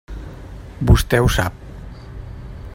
Vostè ho sap.